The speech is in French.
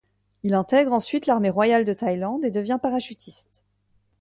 Il intègre ensuite l'Armée Royale de thaïlande, et devient parachutiste.